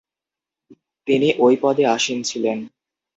তিনি ওই পদে আসীন ছিলেন।